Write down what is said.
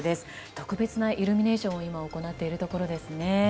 特別なイルミネーションを今、行っているところですね。